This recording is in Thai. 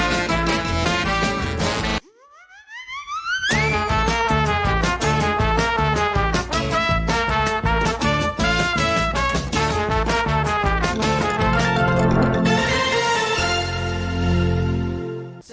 สวัสดีครับ